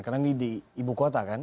karena ini di ibu kota kan